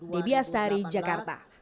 debi astari jakarta